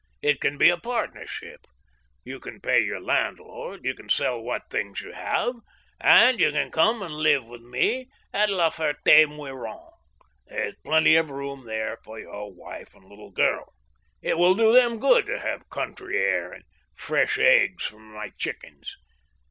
It can be a partnership ; you can pay your landlord, you can sell what things you have, and you can come and live with me at La Fert^ Muiron. There's plenty of room there for your wife and little girl. It will do them good to have country air, and fresh eggs from my chickens.